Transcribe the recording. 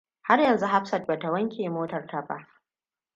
Har yanzu Hafsat bata wanke motar ta ba.